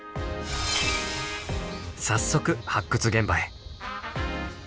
早速発掘現場へ。